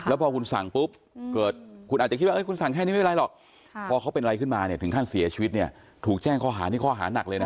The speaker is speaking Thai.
แล้วพอคุณสั่งปุ๊บเกิดคุณอาจจะคิดว่าคุณสั่งแค่นี้ไม่เป็นไรหรอกพอเขาเป็นอะไรขึ้นมาเนี่ยถึงขั้นเสียชีวิตเนี่ยถูกแจ้งข้อหานี่ข้อหานักเลยนะ